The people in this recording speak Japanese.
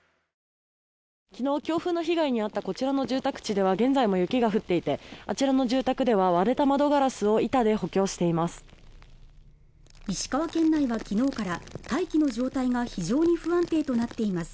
昨日強風の被害に遭ったこちらの住宅地では現在も雪が降っていてあちらの住宅では割れた窓ガラスを板で補強しています